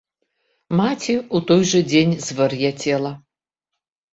Маці ў той жа дзень звар'яцела.